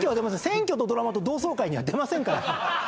選挙とドラマと同窓会には出ません。